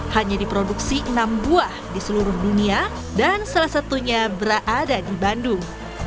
hanya diproduksi enam buah di seluruh dunia dan salah satunya berada di bandung